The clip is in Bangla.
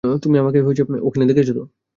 তুমি আমাকে ওখানে দেখেছ তো?